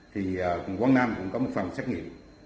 thì quảng nam cũng có một phần xét nghiệm